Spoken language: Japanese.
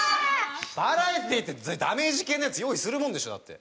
バラエティーってダメージ系のやつ用意するもんでしょだって。